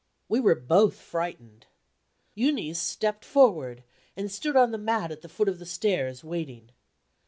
We were both frightened. Euneece stepped forward, and stood on the mat at the foot of the stairs, waiting.